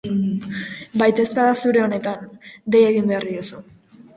Baitezpada, zure onetan, dei egin behar diezu.